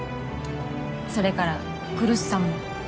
それから来栖さんも。